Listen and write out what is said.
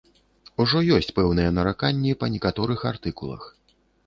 Ужо ёсць пэўныя нараканні па некаторых артыкулах.